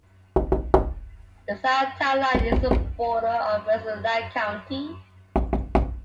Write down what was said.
The south town line is the border of Rensselaer County.